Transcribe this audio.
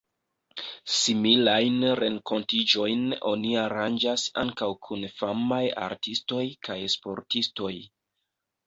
Similajn renkontiĝojn oni aranĝas ankaŭ kun famaj artistoj kaj sportistoj.